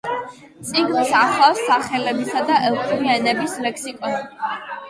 წიგნს ახლავს სახელებისა და ელფური ენების ლექსიკონი.